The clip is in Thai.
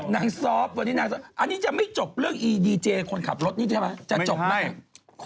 นางซอฟต์วันนี้นางซอฟต์อันนี้จะไม่จบเรื่องดีเจคนขับรถนี่ใช่ไหม